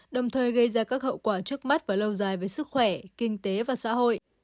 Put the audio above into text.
đồng thời gây ra các hậu quả trước mắt và lâu dài với sức khỏe kinh tế và xã hội